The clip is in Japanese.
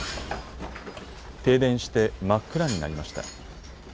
停電して真っ暗になりました。